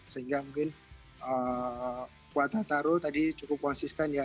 sehingga mungkin patataro tadi cukup konsisten ya